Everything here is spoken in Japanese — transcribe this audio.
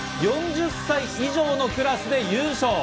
４０歳以上のクラスで優勝。